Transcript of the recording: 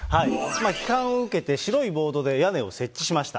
批判を受けて白いボードで屋根を設置しました。